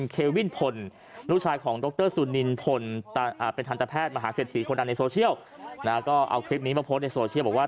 ก็มึงบอกว่าของกู๖๐๐มึงไม่พอใจก็มึงไปหาทางอื่นไป